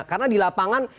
karena di lapangan